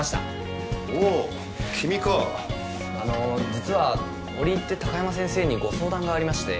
実は折り入って高山先生にご相談がありまして。